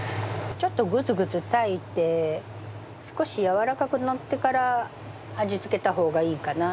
ちょっとグツグツ炊いて少しやわらかくなってから味付けた方がいいかな。